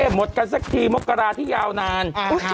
หมดกันสักทีมกราที่ยาวนาน